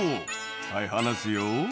「はい離すよ」